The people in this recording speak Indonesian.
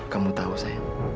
kamu tahu sayang